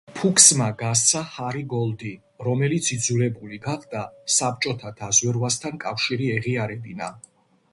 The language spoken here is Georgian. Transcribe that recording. ფუქსმა გასცა ჰარი გოლდი, რომელიც იძულებული გახდა საბჭოთა დაზვერვასთან კავშირი ეღიარებინა.